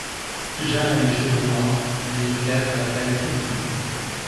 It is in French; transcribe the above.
Jeanne a les cheveux noirs, les yeux clairs, la taille très fine.